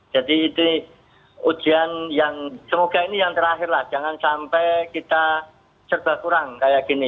jadi itu ujian yang semoga ini yang terakhirlah jangan sampai kita cerba kurang kayak gini